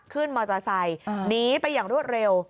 ขึ้นมอเตอร์ไซค์หนีไปอย่างรวดเร็ว